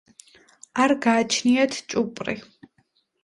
არ გააჩნიათ ჭუპრი.